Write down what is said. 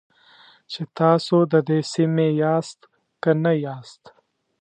چې تاسو د دې سیمې یاست که نه یاست.